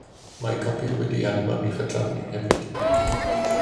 Mae copi wedi'i anfon i'ch adrannau hefyd